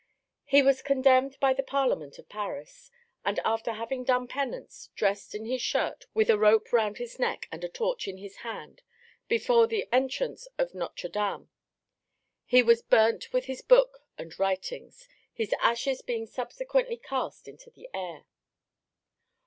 He was condemned by the Parliament of Paris, and after having done penance, dressed in his shirt, with a rope round his neck and a torch in his hand, before the entrance of Notre Dame, he was burnt with his book and writings, his ashes being subsequently cast into the air.